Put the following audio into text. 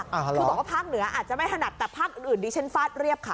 คือบอกว่าภาคเหนืออาจจะไม่ถนัดแต่ภาคอื่นดิฉันฟาดเรียบค่ะ